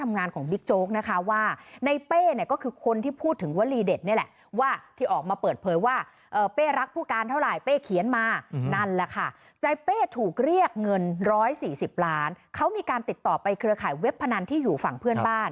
นั่นแหละค่ะใจเป้ถูกเรียกเงิน๑๔๐ล้านเขามีการติดต่อไปเครือข่ายเว็บพนันที่อยู่ฝั่งเพื่อนบ้าน